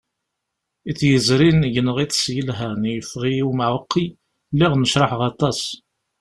Iḍ yezrin gneɣ iḍes yelhan, yeffeɣ-iyi umɛuqqi, lliɣ necraḥeɣ aṭas.